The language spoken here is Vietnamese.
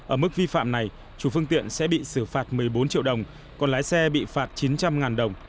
ở mức vi phạm này chủ phương tiện sẽ bị xử phạt một mươi bốn triệu đồng còn lái xe bị phạt chín trăm linh đồng